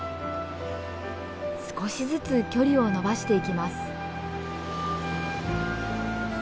少しずつ距離をのばしていきます。